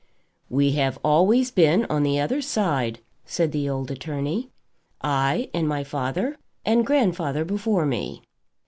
"We have always been on the other side," said the old attorney, "I and my father and grandfather before me."